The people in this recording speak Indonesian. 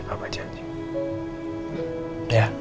papa janji gak sibuk lagi ya